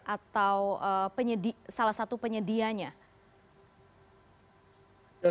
atau salah satu penyedianya